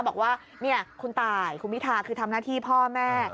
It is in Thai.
บอกว่าคุณตายคุณพิทาคือทำหน้าที่พ่อแม่